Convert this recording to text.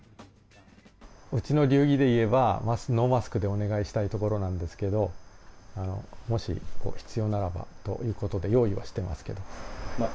うちの流儀でいえば、ノーマスクでお願いしたいところなんですけど、もし必要ならばということで、用意はしていますけど。